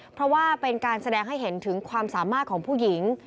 เพราะว่าเป็นการแสดงให้เห็นถึงความสามารถของผู้หญิง